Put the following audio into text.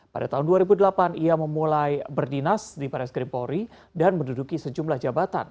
pada tahun dua ribu delapan ia memulai berdinas di baris krim polri dan menduduki sejumlah jabatan